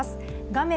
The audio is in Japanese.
画面